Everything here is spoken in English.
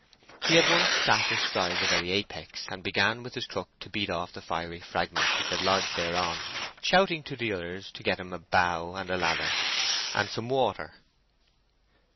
He at once sat astride the very apex, and began with his crook to beat off the fiery fragments which had lodged thereon, shouting to the others to get him a bough and a ladder, and some water.